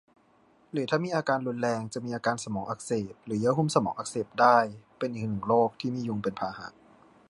หรือถ้ามีอาการรุนแรง จะมีอาการสมองอักเสบ หรือเยื่อหุ้มสมองอักเสบได้ เป็นอีกหนึ่งโรคที่มียุงเป็นพาหะ